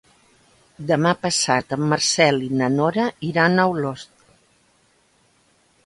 Demà passat en Marcel i na Nora iran a Olost.